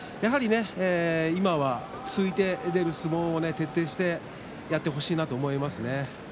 今は突いて出る相撲を徹底してやってほしいと思いました。